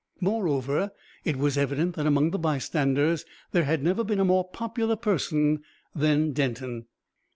Moreover, it was evident that among the bystanders there had never been a more popular person than Denton.